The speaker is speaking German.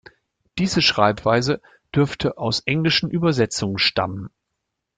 Diese Schreibweise dürfte aus englischen Übersetzungen stammen.